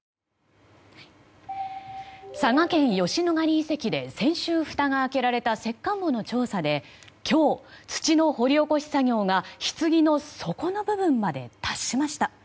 佐賀県吉野ヶ里遺跡で先週、ふたが開けられた石棺墓の調査で今日、土の掘り起こし作業がひつぎの底の部分まで達しました。